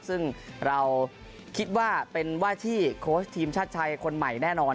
ซึ่งเราคิดว่าเป็นว่าที่โค้ชทีมชาติไทยคนใหม่แน่นอน